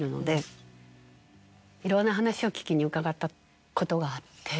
いろんな話を聞きに伺ったことがあって。